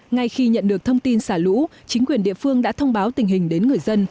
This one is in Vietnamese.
ngay khi nhận được thông tin xả lũ chính quyền địa phương đã thông báo tình hình đến người dân